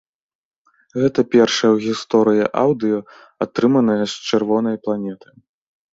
Гэта першае ў гісторыі аўдыё, атрыманае з чырвонай планеты.